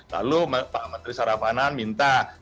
lalu pak menteri sarafanan minta